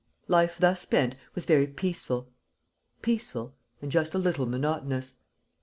Life thus spent was very peaceful peaceful, and just a little monotonous.